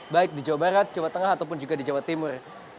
baik di jawa barat jawa tengah ataupun juga di jawa timur